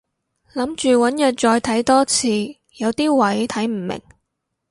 諗住搵日再睇多次，有啲位睇唔明